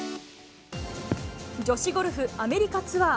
女子ゴルフアメリカツアー。